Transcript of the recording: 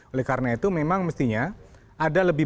oleh karena itu memang mestinya ada lebih